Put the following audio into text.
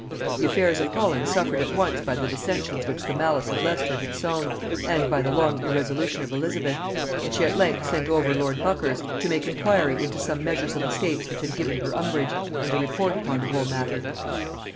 The affairs of Holland suffered at once by the dissensions which the malice of Leicester had sown, and by the long irresolution of Elizabeth; and she at length sent over lord Buckhurst to make inquiry into some measures of the States which had given her umbrage, and to report upon the whole matter.